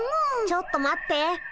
ちょっと待って。